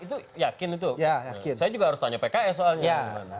saya juga harus tanya pks soalnya